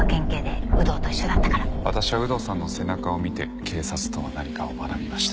私は有働さんの背中を見て警察とは何かを学びました。